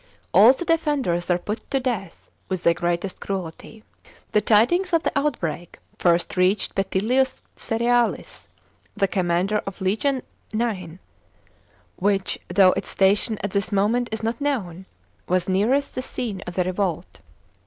All the defenders were put to death with the greatest cruelty. The tidings of the outbreak first reached Petillius Cerealis, the commander of legion IX, which, though its station at this moment is not known,f was nearest the scene of the revolt.